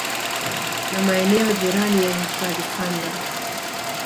na maeneo jirani ya hifadhi Kanda